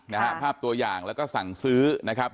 นะฮะภาพตัวอย่างแล้วก็สั่งซื้อนะครับ